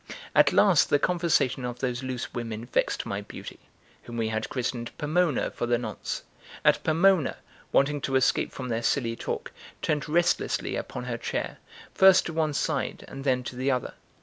At last the conversation of those loose women vexed my beauty, whom we had christened Pomona for the nonce; and Pomona, wanting to escape from their silly talk, turned restlessly upon her chair, first to one side and then to the other.